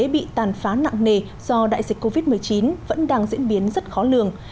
bị tàn phá nặng nề do đại dịch covid một mươi chín vẫn đang diễn biến rất khó lường